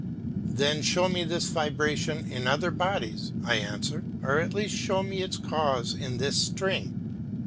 "Then show me this vibration in other bodies," I answer, "or at least show me its cause in this string."